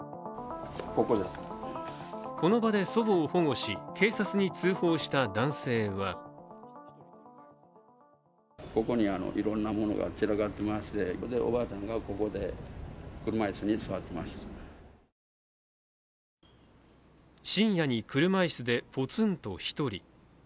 この場で祖母を保護し警察に通報した男性は深夜に車椅子でポツンと１人。